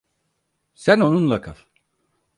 Sen onunla kal.